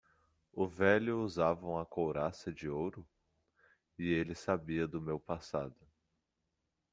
O velho usava uma couraça de ouro? e ele sabia do meu passado.